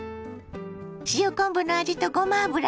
塩昆布の味とごま油の風味。